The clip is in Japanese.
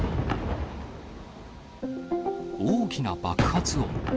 大きな爆発音。